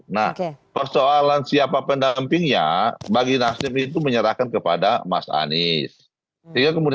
nah persoalan siapa pendampingnya bagi nasdem itu menyerahkan kepada mas anies